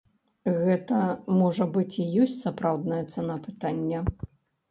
Гэта, можа быць, і ёсць сапраўдная цана пытання.